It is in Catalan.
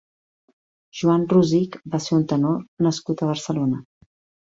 Joan Rosich va ser un tenor nascut a Barcelona.